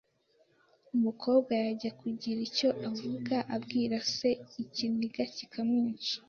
Umukobwa yajya kugira icyo avuga abwira se ikinigakikamwica